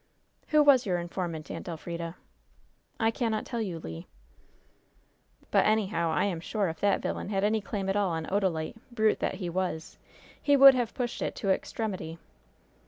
"Who was your informant, Aunt Elfrida?" "I cannot tell you, Le." "But, anyhow, I am sure if that villain had any claim at all on Odalite, brute that he was, he would have pushed it to extremity!"